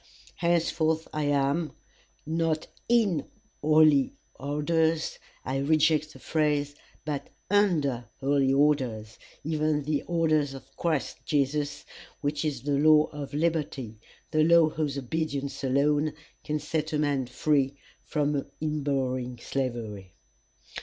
Henceforth I am, not IN HOLY ORDERS, I reject the phrase, but UNDER holy orders, even the orders of Christ Jesus, which is the law of liberty, the law whose obedience alone can set a man free from in burrowing slavery.